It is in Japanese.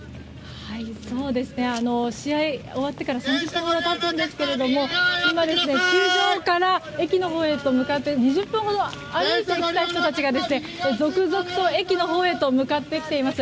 試合終わってから３０分ほど経つんですが今、球場から駅のほうへと向かって２０分ほど歩いてきた人たちが続々と駅のほうへと向かってきています。